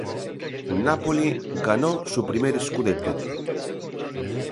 Napoli ganó su primer "scudetto".